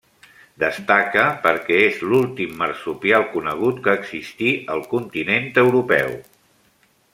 Destaca perquè és l'últim marsupial conegut que existí al continent europeu.